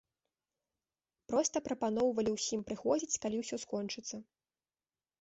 Проста прапаноўвалі ўсім прыходзіць, калі ўсё скончыцца.